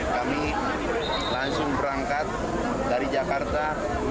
kami langsung berangkat dari jakarta